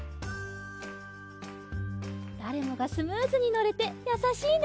だれもがスムーズにのれてやさしいね。